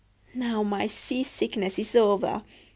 Now my seasickness is over.